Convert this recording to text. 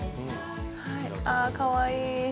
はいあかわいい。